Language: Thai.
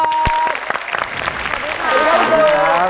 สวัสดีครับ